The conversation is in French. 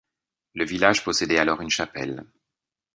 Le village possédait alors une chapelle.